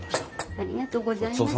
ありがとうございます。